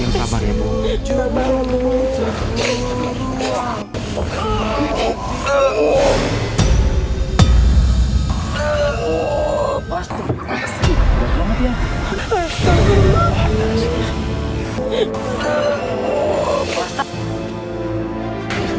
yang kabar ya bu